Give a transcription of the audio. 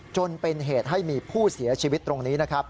จนเป็นเหตุให้มีผู้เสียชีวิตตรงนี้นะครับ